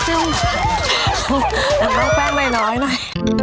เอาแม่งแป้งหน่อยหน่อย